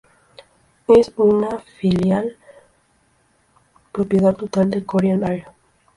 Es una filial propiedad total de Korean Air.